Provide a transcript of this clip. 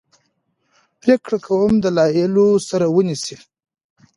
پرېکړه کوم دلایلو سره ونیسي.